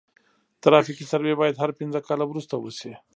ترافیکي سروې باید هر پنځه کاله وروسته وشي